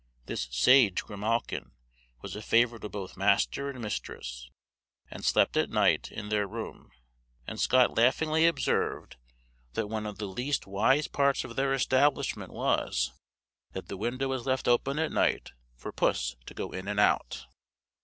This sage grimalkin was a favorite of both master and mistress, and slept at night in their room; and Scott laughingly observed, that one of the least wise parts of their establishment was, that the window was left open at night for puss to go in and out.